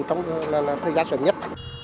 trong lúc này